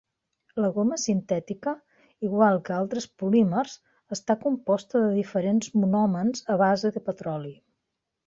La goma sintètica, igual que altres polímers, està composta de diferents monòmers a base de petroli.